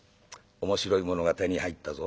面白いものが手に入ったぞ。